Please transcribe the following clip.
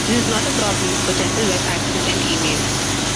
This is not a problem for general web access and email.